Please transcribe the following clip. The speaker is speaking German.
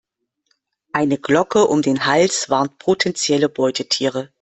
Eine Glocke um den Hals warnt potenzielle Beutetiere.